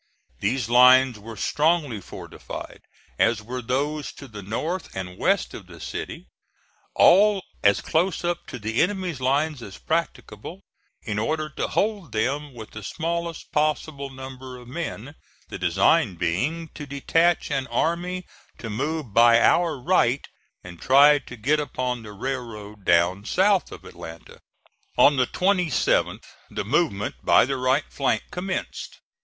These lines were strongly fortified, as were those to the north and west of the city all as close up to the enemy's lines as practicable in order to hold them with the smallest possible number of men, the design being to detach an army to move by our right and try to get upon the railroad down south of Atlanta. On the 27th the movement by the right flank commenced.